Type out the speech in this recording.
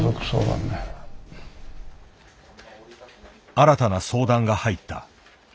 新たな相談が入った。